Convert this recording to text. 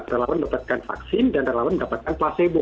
relawan mendapatkan vaksin dan relawan mendapatkan placebo